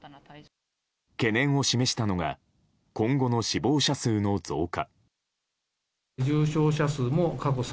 懸念を示したのが今後の死亡者数の増加。